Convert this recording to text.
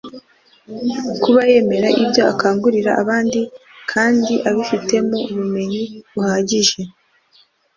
kuba yemera ibyo akangurira abandi kandi ibifitemo ubumenyi buhagije